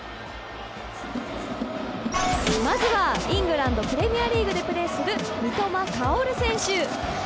まずはイングランドプレミアリーグでプレーする三笘薫選手。